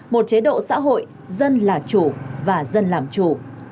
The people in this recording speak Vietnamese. một chế độ xã hội dân là chủ và dân làm chủ